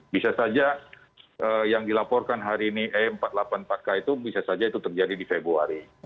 bisa saja yang dilaporkan hari ini e empat ratus delapan puluh empat k itu bisa saja itu terjadi di februari